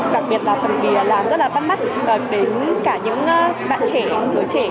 đặc biệt là phần bìa làm rất là bắt mắt đến cả những bạn trẻ người trẻ